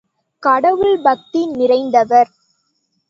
கடவுள் பக்தி நிறைந்தவர்.